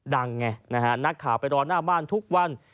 ดังไงนะฮะนักข่าวไปรอหน้าบ้านทุกวัน